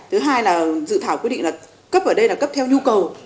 thứ hai là dự thảo quyết định là cấp ở đây là cấp theo nhu cầu